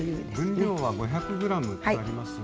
分量は５００ｇとありますが。